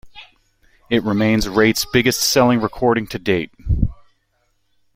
It remains Raitt's biggest-selling recording to date.